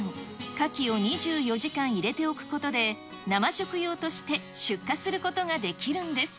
カキを２４時間入れておくことで、生食用として、出荷することができるんです。